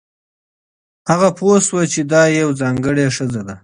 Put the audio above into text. هغه پوه شو چې دا یوه ځانګړې ښځه ده.